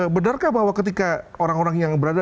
benarkah bahwa ketika orang orang yang berada